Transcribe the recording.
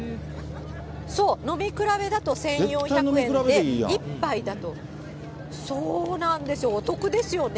そう、飲み比べだと１４００円で、１杯だと、そうなんですよ、お得ですよね。